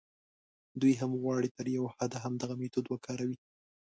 دوی هم غواړي تر یوه حده همدغه میتود وکاروي.